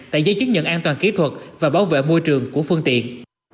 tại giấy chứng nhận an toàn kỹ thuật và bảo vệ môi trường của phương tiện